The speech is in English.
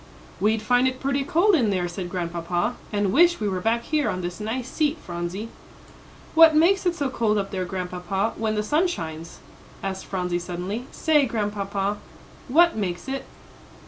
"We'd find it pretty cold in there," said Grandpapa, "and wish we were back here on this nice seat, Phronsie." "What makes it so cold up there, Grandpapa, when the sun shines?" asked Phronsie, suddenly. "Say, Grandpapa, what makes it?"